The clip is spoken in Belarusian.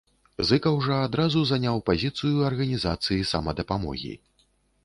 Зыкаў жа адразу заняў пазіцыю арганізацыі самадапамогі.